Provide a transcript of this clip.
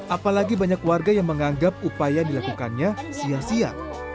apalagi banyak warga yang menganggap upaya dilakukannya sia sia